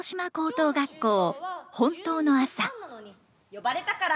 呼ばれたから。